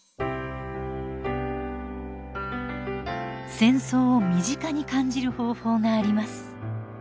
戦争を身近に感じる方法があります。